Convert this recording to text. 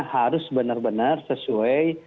harus benar benar sesuai